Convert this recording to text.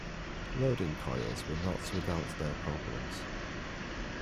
Loading coils were not without their problems.